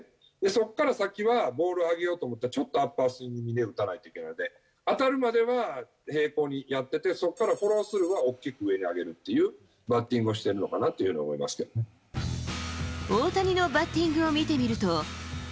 そこから先は、ボール上げようと思ったら、ちょっとアッパースイング気味に打たないといけないので、当たる前は平行にやってて、そこからフォロースルーは大きく上に上げるっていうバッティング大谷のバッティングを見てみると。